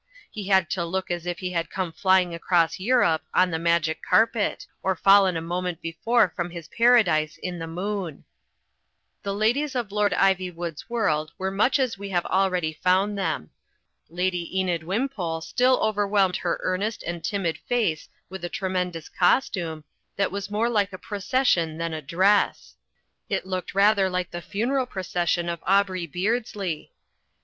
He had to look as if he had come flying across Europe on the magic carpet, or fallen a moment before from his paradise in the moon. The ladies of Lord Iv3rwood's world were much as we have already found them. Lady Enid Wimpole still overwhelmed her earnest and timid face with a tremendous costume, that was more like a procession than a dress. It looked rather like the funeral pro cession of Aubrey Beardsley.